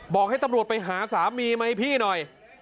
บอกให้ตำรวจไปหาสามีมาให้พี่หน่อย